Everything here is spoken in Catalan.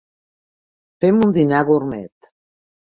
Fem un dinar gurmet.